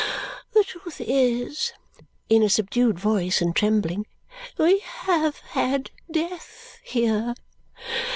The truth is," in a subdued voice and trembling, "we have had death here.